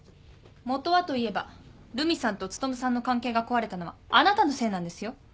本はといえば留美さんと努さんの関係が壊れたのはあなたのせいなんですよ。